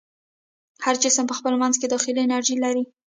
هر جسم په خپل منځ کې داخلي انرژي لري.